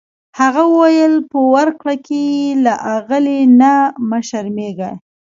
هغه وویل په ورکړه کې یې له اغلې نه مه شرمیږه.